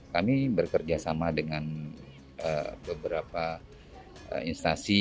kami bekerja sama dengan beberapa instansi